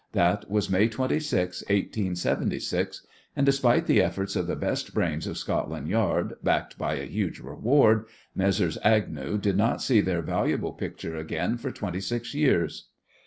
That was May 26, 1876, and despite the efforts of the best brains of Scotland Yard, backed by a huge reward, Messrs. Agnew did not see their valuable picture again for twenty six years.